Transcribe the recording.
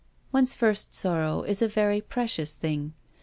One's first sorrow is a very precious thing.